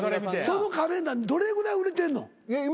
そのカレンダーどれぐらい売れてんの？